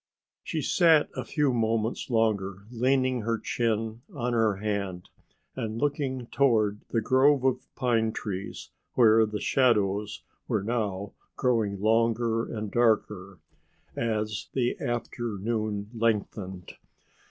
She sat a few moments longer leaning her chin on her hand and looking toward the grove of pine trees where the shadows were now growing longer and darker as the afternoon lengthened.